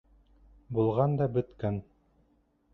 Булған да бөткән.